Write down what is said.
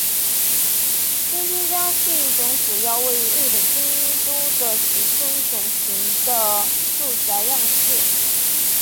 京町家是一种主要位于日本京都的职住一体型的住宅样式。